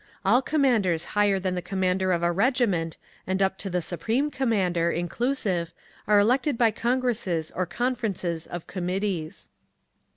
All commanders higher than the commander of a regiment, and up to the Supreme Commander, inclusive, are elected by congresses or conferences of Committees.